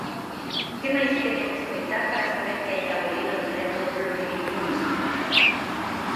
¿Que máis queren escoitar para saber que hai que abolir o decreto do plurilingüismo?